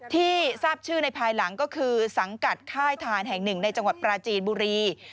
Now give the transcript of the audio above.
ที่ทราบชื่อในภายหลังก็คือสังกัดค่ายทานแห่งหนึ่งในจังหวัดปราจีนบุรี